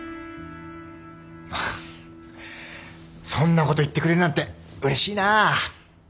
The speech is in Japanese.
そんなこと言ってくれるなんてうれしいなぁ。